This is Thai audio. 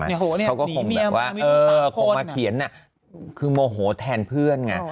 เขาก็คงแบบว่าเออคงมาเขียนคือโมโหแทนเพื่อนไง